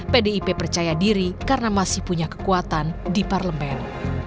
pdip percaya diri karena masih punya kekuatan di parlemen